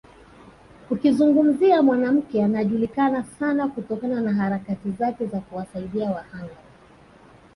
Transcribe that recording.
Ukizungumzia mwanamke anajulikana sana kutokana na harakati zake za kuwasaidia wahanga